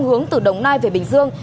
hướng từ đồng nai về bình dương